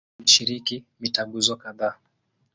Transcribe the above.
Alishiriki mitaguso kadhaa.